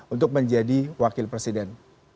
untuk menjadi wakil presiden